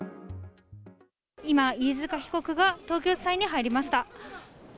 今、飯塚被告が東京地裁に入りました。